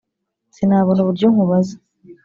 sinabona uburyo ngo nkubaza